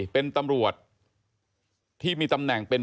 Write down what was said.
เป็นตำรวจที่มีตำแหน่งเป็น